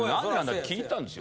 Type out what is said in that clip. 聞いたんですよ。